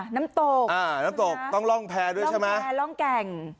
น้ำตกอ่าน้ำตกต้องล่องแพลด้วยใช่ไหมล่องแกง